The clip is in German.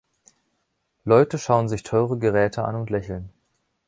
Leute schauen sich teure Geräte an und lächeln